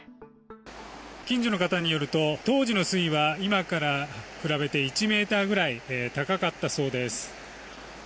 近所の方によると当時の水位は今から比べて１ｍくらい高かったそうです。